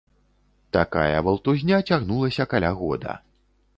Такая валтузня цягнулася каля года.